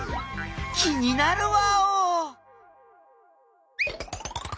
気になるワオ！